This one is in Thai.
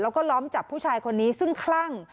แล้วก็ล้อมจับผู้ชายคนนี้ซึ่งคลั่ง